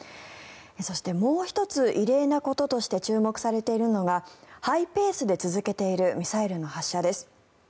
そして、もう１つ異例なこととして注目されているのがハイペースで続けているミサイルの発射です。